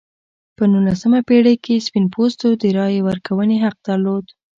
په نولسمې پېړۍ کې سپین پوستو د رایې ورکونې حق درلود.